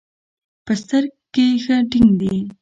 په ستر کښې ښه ټينګ دي.